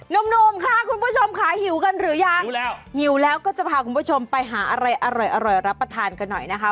หนุ่มค่ะคุณผู้ชมค่ะหิวกันหรือยังหิวแล้วก็จะพาคุณผู้ชมไปหาอะไรอร่อยรับประทานกันหน่อยนะคะ